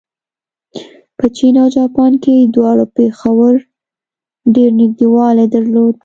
په چین او جاپان کې دواړو پېښو ډېر نږدېوالی درلود.